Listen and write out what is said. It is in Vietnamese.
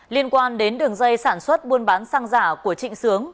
liên quan đến đường dây sản xuất buôn bán xăng giả của trịnh sướng